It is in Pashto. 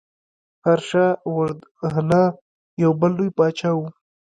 هرشا وردهنا یو بل لوی پاچا و.